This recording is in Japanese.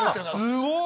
◆すごい。